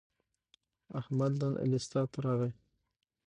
احمد نن الستی راغی.